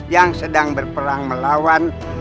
yang sedang berperang melawan